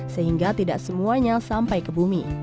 sehingga tidak semuanya sampai ke bumi